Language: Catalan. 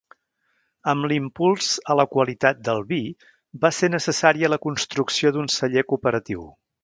Amb l'impuls a la qualitat del vi va ser necessària la construcció d'un Celler Cooperatiu.